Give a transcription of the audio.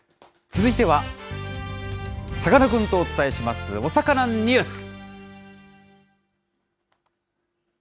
続いては、さかなクンとお伝えします、おさかなニュース。